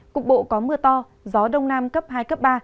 cục bộ có mưa to gió đông nam cấp hai cấp ba